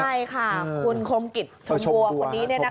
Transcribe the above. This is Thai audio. ใช่ค่ะคุณคมกริทชมบัวคนนี้เนี่ยนะครับ